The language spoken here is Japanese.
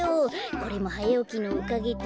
これもはやおきのおかげだ。